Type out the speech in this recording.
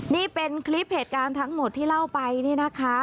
นี่เป็นคลิปเหตุการณ์ทั้งหมดที่เล่าไปเนี่ยนะคะ